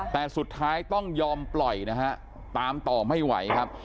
แต่สุดท้ายต้องยอมปล่อยนะฮะตามต่อไม่ไหวครับ